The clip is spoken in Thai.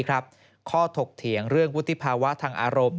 ข้อถกเถียงเรื่องวุฒิภาวะทางอารมณ์